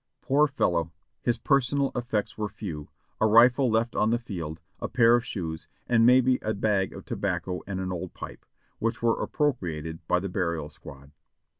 Poor fellow, his personal effects were few: a rifle left on the field, a pair of shoes, and maybe a bag of tobacco and an old pipe, which were appropriated by the burial squad.